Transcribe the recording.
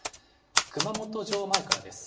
熊本城前からです。